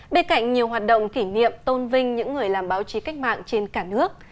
bên cạnh nhiều hoạt động kỷ niệm tôn vinh những người làm báo chí cách mạng trên cả nước